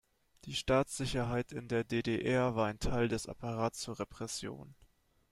Die Staatssicherheit in der D-D-R war ein Teil des Apparats zur Repression.